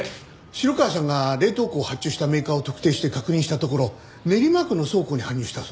城川さんが冷凍庫を発注したメーカーを特定して確認したところ練馬区の倉庫に搬入したそうです。